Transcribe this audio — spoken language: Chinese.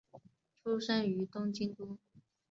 出身于东京都。